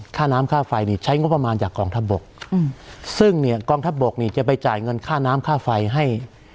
ค่าน้ำค่าไฟนี่ใช้งบประมาณจากกองทัพบกซึ่งเนี่ยกองทัพบกนี่จะไปจ่ายเงินค่าน้ำค่าไฟให้